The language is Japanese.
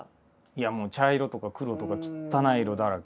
いやもう茶色とか黒とかきったない色だらけ。